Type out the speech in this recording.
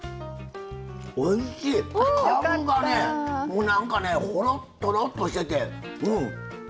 もうなんかねほろっとろっとしててうん！